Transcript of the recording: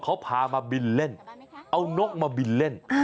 เขาพามาบินเล่นเอานกมาบินเล่น